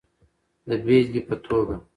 د بېلګې په توګه